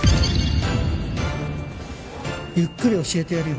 ゆっくり教えてやるよ。